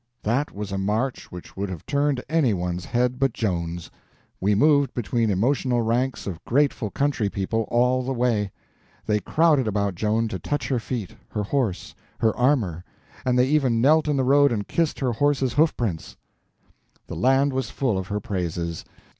That was a march which would have turned any one's head but Joan's. We moved between emotional ranks of grateful country people all the way. They crowded about Joan to touch her feet, her horse, her armor, and they even knelt in the road and kissed her horse's hoof prints. The land was full of her praises.